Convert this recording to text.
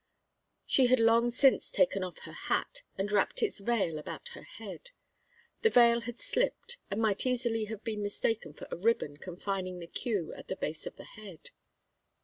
She had long since taken off her hat and wrapped its veil about her head. The veil had slipped and might easily have been mistaken for a ribbon confining the queue at the base of the head.